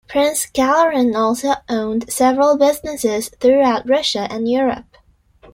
Prince Gagarin also owned several businesses throughout Russia and Europe.